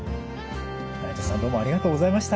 内藤さんどうもありがとうございました。